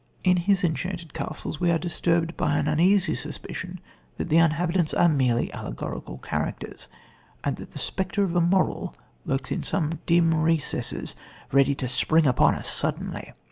In his enchanted castles we are disturbed by an uneasy suspicion that the inhabitants are merely allegorical characters, and that the spectre of a moral lurks in some dim recess ready to spring out upon us suddenly.